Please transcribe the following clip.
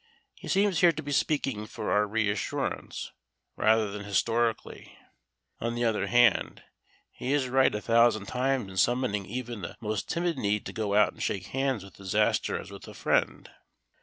He seems here to be speaking for our reassurance rather than historically. On the other hand, he is right a thousand times in summoning even the most timid kneed to go out and shake hands with disaster as with a friend.